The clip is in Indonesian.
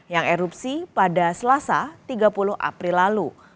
yang erupsi pada selasa tiga puluh april lalu